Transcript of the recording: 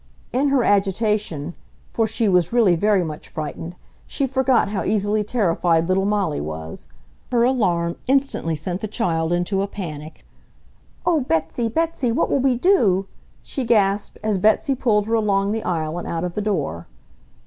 In her agitation (for she was really very much frightened) she forgot how easily terrified little Molly was. Her alarm instantly sent the child into a panic. "Oh, Betsy! Betsy! What will we do!" she gasped, as Betsy pulled her along the aisle and out of the door.